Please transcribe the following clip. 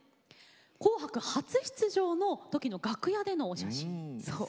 「紅白」初出場の時の楽屋でのお写真。